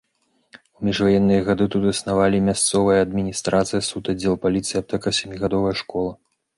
У міжваенныя гады тут існавалі мясцовая адміністрацыя, суд, аддзел паліцыі, аптэка, сямігадовая школа.